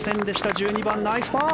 １２番、ナイスパー。